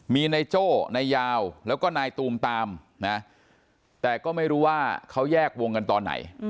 มีนายโจ้นายยาวแล้วก็นายตูมตามนะแต่ก็ไม่รู้ว่าเขาแยกวงกันตอนไหน